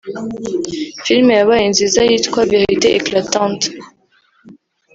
filimi yabaye nziza yitwa “Verité éclatante”